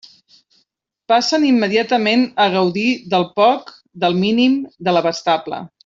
Passen immediatament a gaudir del poc, del mínim, de l'abastable.